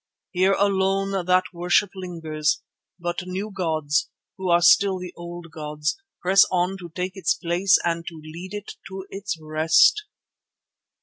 Here alone that worship lingers, but new gods, who are still the old gods, press on to take its place and to lead it to its rest.